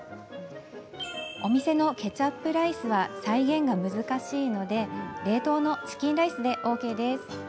お店のケチャップライスは再現が難しいので冷凍のチキンライスでＯＫです。